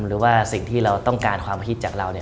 หรือว่าสิ่งที่เราต้องการความฮิตจากเรา